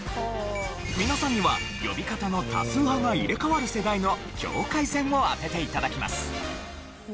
皆さんには呼び方の多数派が入れ替わる世代の境界線を当てて頂きます。